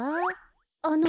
あの。